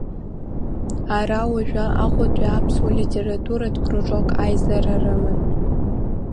Ара уажәы Аҟәатәи аԥсуа литературатә кружок аизара рыман.